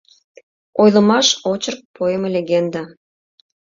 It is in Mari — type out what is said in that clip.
Ойлымаш, очерк, поэма-легенда